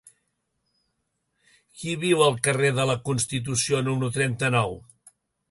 Qui viu al carrer de la Constitució número trenta-nou?